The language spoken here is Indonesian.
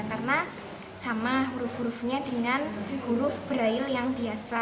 karena sama huruf hurufnya dengan huruf brail yang biasa